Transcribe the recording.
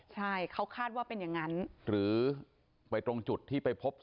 ตอนนี้กำลังจะโดดเนี่ยตอนนี้กำลังจะโดดเนี่ย